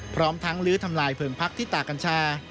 พร้อมทั้งลื้อทำลายเพลิงพักที่ตากัญชา